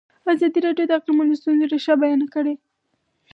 ازادي راډیو د اقلیتونه د ستونزو رېښه بیان کړې.